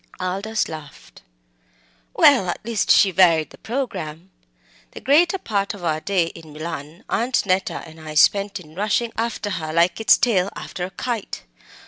Aldous laughed. "Well, at least she varied the programme. The greater part of our day in Milan Aunt Neta and I spent in rushing after her like its tail after a kite.